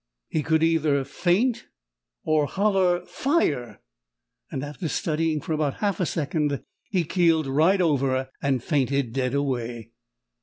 He could either faint, or "holler" "Fire!" And, after studying for about half a second, he keeled right over and fainted dead away.